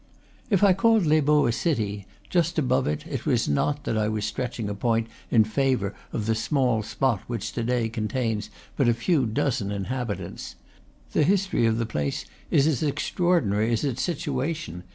If I called Les Baux a city, just, above, it was not that I was stretching a point in favor of the small spot which to day contains but a few dozen inhabi tants. The history of the plate is as extraordinary as its situation.